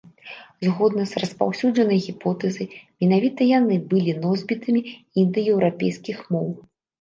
Згодна з распаўсюджанай гіпотэзай, менавіта яны былі носьбітамі індаеўрапейскіх моў.